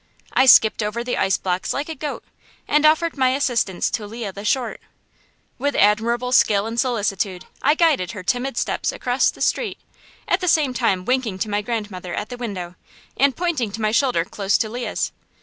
I skipped over the ice blocks like a goat, and offered my assistance to Leah the Short. With admirable skill and solicitude I guided her timid steps across the street, at the same time winking to my grandmother at the window, and pointing to my shoulder close to Leah's.